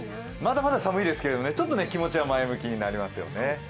まだまだ寒いですけど気持ちは前向きになりますよね。